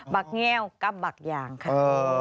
บักแง่วกับบักอย่างค่ะ